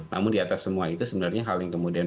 namun di atas semua itu sebenarnya hal yang kemudian